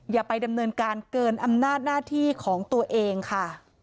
อย่าไปดำเนินการเกินอำนาจหน้าที่ของตัวเองค่ะ